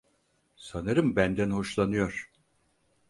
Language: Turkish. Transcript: Sanırım benden hoşlanıyor.